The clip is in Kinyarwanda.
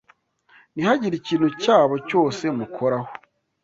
Ntihagire ikintu cyabo cyose mukoraho